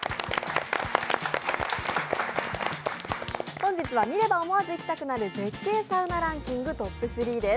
本日は見れば思わず行きたくなる絶景サウナランキングトップ１０です。